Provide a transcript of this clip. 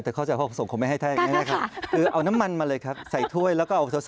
แต่เข้าใจว่าห้องส่งผมไม่ให้แท่